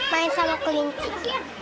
main sama kelinci